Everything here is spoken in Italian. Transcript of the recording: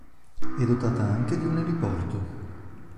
È dotata anche di un eliporto.